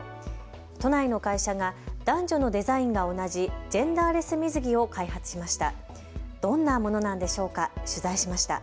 都内の会社が男女のデザインが同じジェンダーレス水着を開発しました。